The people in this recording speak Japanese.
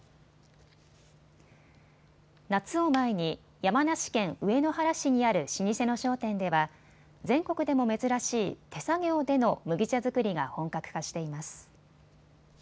夏を前に山梨県上野原市にある老舗の商店では全国でも珍しい手作業での麦茶作りが本格化しています。